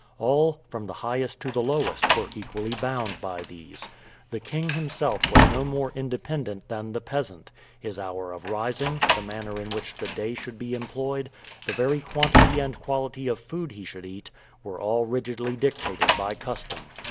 All, from the highest to the lowest, were equally bound by these. The king himself was no more independent than the peasant; his hour of rising, the manner in which the day should be employed, the very quantity and quality of food he should eat, were all rigidly dictated by custom.